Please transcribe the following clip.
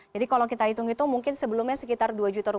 jadi kalau kita hitung itu mungkin sebelumnya sekitar rp dua empat juta